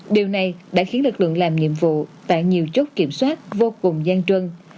điều này đã khiến lực lượng làm nhiệm vụ tại nhiều chốt kiểm soát vô cùng gian chân